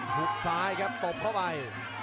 ทุบซ้ายครับตบเข้าไป